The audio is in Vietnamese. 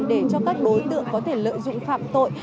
để cho các đối tượng có thể lợi dụng phạm tội